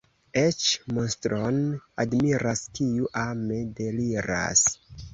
Eĉ monstron admiras, kiu ame deliras.